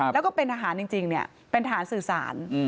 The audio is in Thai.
แล้วก็เป็นทหารจริงเป็นทหารสื่อสาร